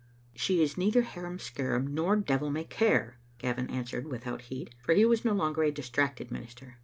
"She is neither harum scarum nor devil may care," Gavin answered, without heat, for he was no longer a distracted minister.